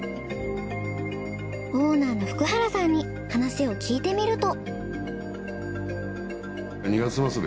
オーナーの福原さんに話を聞いてみると。